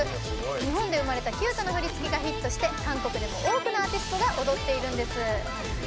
日本で生まれたキュートな振り付けがヒットして韓国でも多くのアーティストが踊っているんです。